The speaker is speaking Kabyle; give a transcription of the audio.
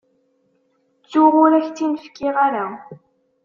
Ttuɣ, ur ak-tt-in-fkiɣ ara.